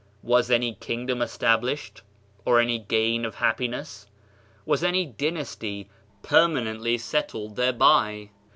Was any kingdom established? or any gain of happiness? Was any dynasty permanently settled thereby?